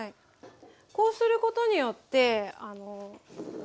こうすることによって。